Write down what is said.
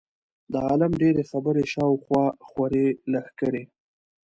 د عالم ډېرې خبرې شا او خوا خورې لښکرې.